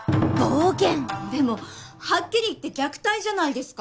暴言！でもはっきり言って虐待じゃないですか。